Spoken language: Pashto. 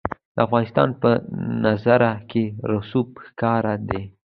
د افغانستان په منظره کې رسوب ښکاره ده.